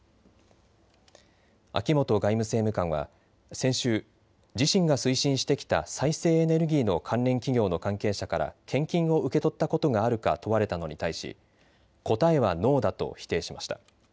秋本外務政務官は先週、自身が推進してきた再生エネルギーの関連企業の関係者から献金を受け取ったことがあるか問われたのに対し答えはノーだと否定しました。